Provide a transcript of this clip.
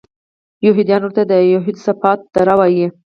یهودان ورته د یهوسفات دره وایي.